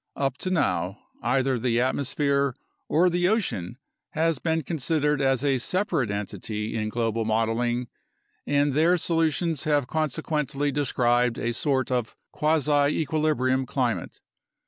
Up to now either the atmosphere or the ocean has been considered as a separate entity in global modeling, and their solutions have consequently described a sort of quasi equilibrium climate.